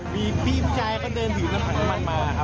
มีพี่ผู้ชายก็เดินถือน้ำผัดน้ำมันมาครับ